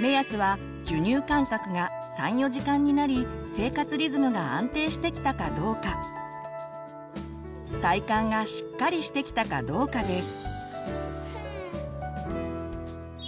目安は授乳間隔が３４時間になり生活リズムが安定してきたかどうか体幹がしっかりしてきたかどうかです。